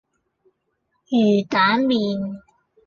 魚蛋麪